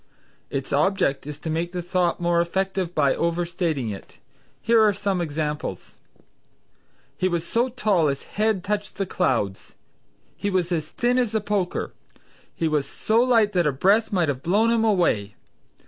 Its object is to make the thought more effective by overstating it. Here are some examples: "He was so tall his head touched the clouds." "He was as thin as a poker." "He was so light that a breath might have blown him away."